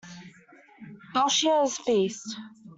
Belshazzar's feast.